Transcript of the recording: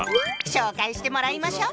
紹介してもらいましょう！